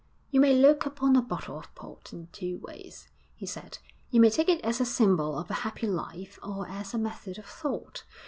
'You may look upon a bottle of port in two ways,' he said; 'you may take it as a symbol of a happy life or as a method of thought....